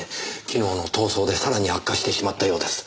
昨日の逃走でさらに悪化してしまったようです。